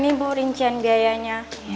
ini bu rincian biayanya